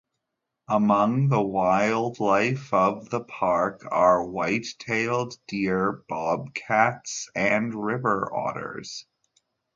Among the wildlife of the park are white-tailed deer, bobcats, and river otters.